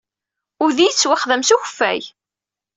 Udi yettwaxdam-d s ukeffay.